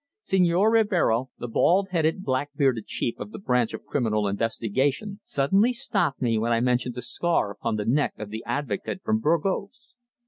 Señor Rivero, the bald headed, black bearded chief of the branch of criminal investigation, suddenly stopped me when I mentioned the scar upon the neck of the advocate from Burgos.